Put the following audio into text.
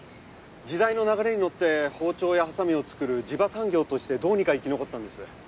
時代の流れに乗って包丁やはさみを作る地場産業としてどうにか生き残ったんです。